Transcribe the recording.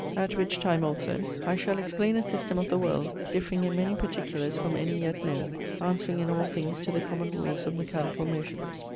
At which time also I shall explaine a systeme of the world, differing in many particulars from any yet known, answering in all things to the common rules of mechanicall motions.